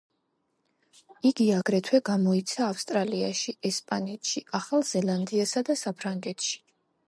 იგი აგრეთვე გამოიცა ავსტრალიაში, ესპანეთში, ახალ ზელანდიასა და საფრანგეთში.